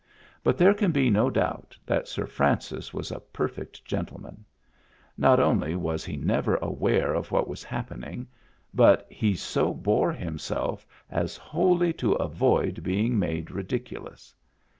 But there can be no doubt that Sir Francis was a perfect gentleman. Not only was he never aware of what was happening, but he so bore himself as wholly to avoid being made ridiculous.